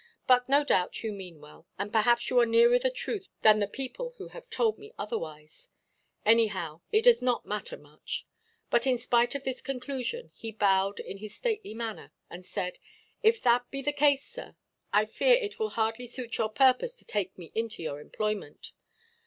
But no doubt you mean well, and perhaps you are nearer the truth than the people who have told me otherwise. Anyhow, it does not matter much." But, in spite of this conclusion, he bowed in his stately manner, and said: "If that be the case, sir, I fear it will hardly suit your purpose to take me into your employment."